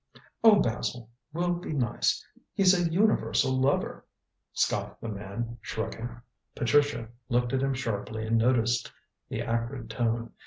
"Oh, Basil will be nice! He's a universal lover," scoffed the man shrugging. Patricia looked at him sharply and noticed the acrid tone.